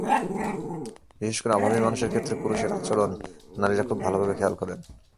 বিশেষ করে অভাবী মানুষের ক্ষেত্রে পুরুষের আচরণ নারীরা খুব ভালোভাবে খেয়াল করেন।